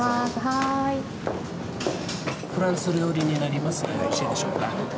はーいフランス料理になりますがよろしいでしょうか？